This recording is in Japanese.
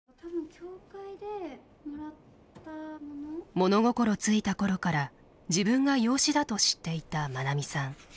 物心付いた頃から自分が養子だと知っていたまなみさん。